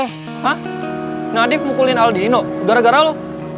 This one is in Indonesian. hah nadif mukulin aldino gara gara lo